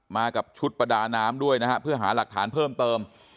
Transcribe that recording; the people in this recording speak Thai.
มากับชุดประดาน้ำด้วยนะฮะเพื่อหาหลักฐานเพิ่มเติม